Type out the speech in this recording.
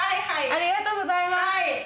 ありがとうございます。